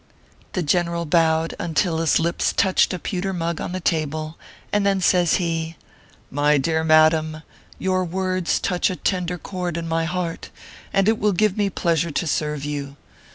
The General bowed until his lips touched a pewter mug on the table, and then says he :" My dear madam, your words touch a tender chord in my heart, and it will give me pleasure to serve you.